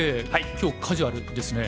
今日カジュアルですね。